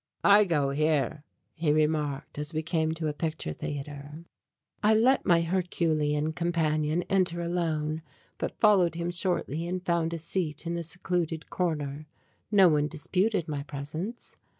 "I go here," he remarked, as we came to a picture theatre. I let my Herculean companion enter alone, but followed him shortly and found a seat in a secluded corner. No one disputed my presence.